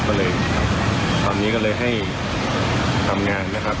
ก็เลยตอนนี้ก็เลยให้ทำงานนะครับ